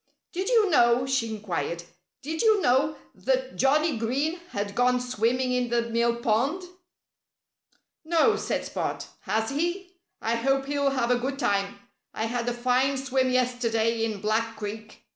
"Did you know " she inquired "did you know that Johnnie Green had gone swimming in the mill pond?" "No!" said Spot. "Has he? I hope he'll have a good time. I had a fine swim yesterday in Black Creek.